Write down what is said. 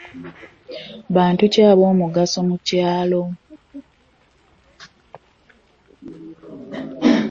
Bantu ki ab'omugaso mu kyalo.